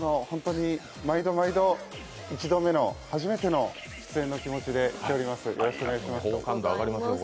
毎度毎度１度目の初めての出演の気持ちで来ています。